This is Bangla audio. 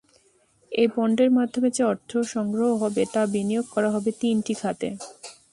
এই বন্ডের মাধ্যমে যে অর্থ সংগ্রহ হবে, তা বিনিয়োগ করা হবে তিনটি খাতে।